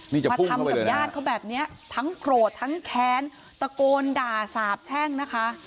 มาทำกับญาติเขาแบบนี้ทั้งโกรธทั้งแค้นตะโกนด่าสาบแช่งนะคะ